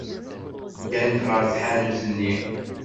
Ddant ɣer tḥanut-nni.